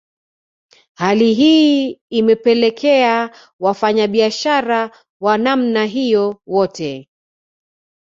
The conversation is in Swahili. Hali hii imepelekea Wafanyabiashara wa namna hiyo wote